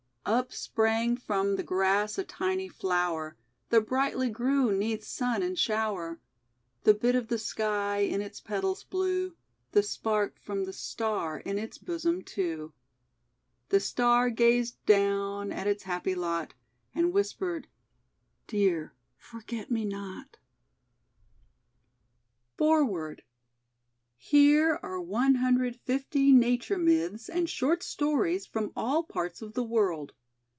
Up sprang from the grass a tiny flower That brightly grew 'neath sun and shower: The bit of the Sky in its petals blue, The spark from the Star in Us bosom, too. The Star gazed down at its happy lot, And whispered, " Dear, forget me not 1 "•./•> 1 .'• o FOREWORD HERE are 150 nature myths and short stories from all parts of the World.